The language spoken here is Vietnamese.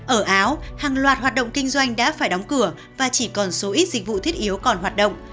ở áo hàng loạt hoạt động kinh doanh đã phải đóng cửa và chỉ còn số ít dịch vụ thiết yếu còn hoạt động